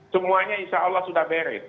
semuanya insya allah sudah beres